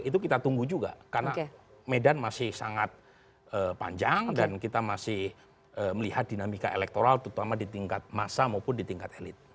itu kita tunggu juga karena medan masih sangat panjang dan kita masih melihat dinamika elektoral terutama di tingkat massa maupun di tingkat elit